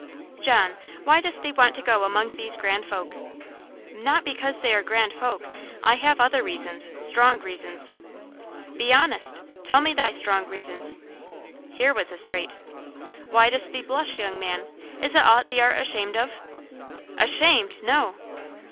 "John, why dost thee want to go among those grand folk?" "Not because they are grand folk. I have other reasons strong reasons." "Be honest. Tell me thy strong reasons." Here was a strait. "Why dost thee blush, young man? Is it aught thee art ashamed of?" "Ashamed! No!"